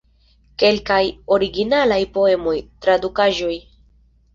Kelkaj originalaj poemoj, tradukaĵoj.